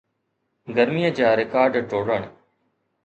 گرميءَ جا رڪارڊ ٽوڙڻ